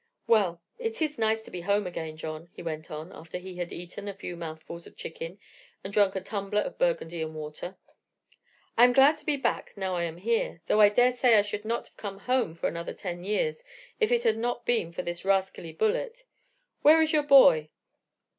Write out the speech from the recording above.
"Well, it is nice to be home again, John," he went on, after he had eaten a few mouthfuls of chicken and drunk a tumbler of Burgundy and water. "I am glad to be back, now I am here, though I dare say I should not have come home for another ten years if it had not been for this rascally bullet. Where is your boy?"